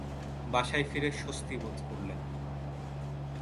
বাসায় ফিরে স্বস্তি বোধ করলেন।